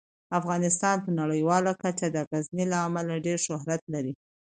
افغانستان په نړیواله کچه د غزني له امله ډیر شهرت لري.